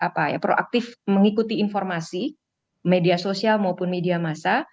jadi itu adalah yang lebih proaktif mengikuti informasi media sosial maupun media massa